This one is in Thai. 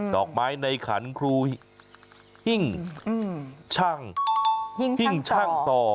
ดอกไม้ในขันครูหิ่งช่างส่อ